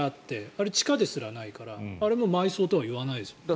あれ、地下ですらないからあれも埋葬とは言わないですもんね。